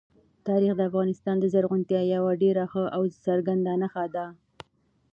تاریخ د افغانستان د زرغونتیا یوه ډېره ښه او څرګنده نښه ده.